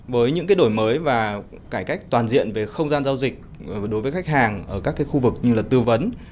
với những đổi mới và cải cách toàn diện về không gian giao dịch đối với khách hàng ở các khu vực như là tư vấn